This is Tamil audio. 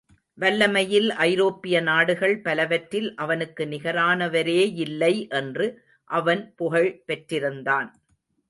வல்லமையில் ஐரோப்பிய நாடுகள் பலவற்றில் அவனுக்கு நிகரானவரேயில்லை என்று அவன் புகழ் பெற்றிருந்தான்.